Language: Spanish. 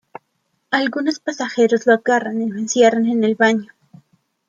Algunos pasajeros lo agarran y lo encierran en el baño.